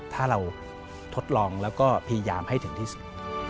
ถ้าเราทดลองแล้วก็พยายามให้ถึงที่สุด